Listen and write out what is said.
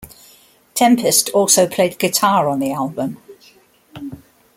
Tempest also played guitar on the album.